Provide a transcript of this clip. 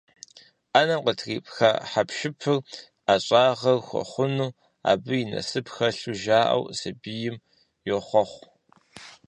Ӏэнэм къытриха хьэпшыпыр ӀэщӀагъэ хуэхъуну, абы и насып хэлъу жаӀэу, сабийм йохъуэхъу.